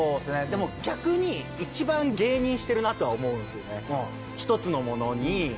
でも逆に一番芸人してるなとは思うんですよね。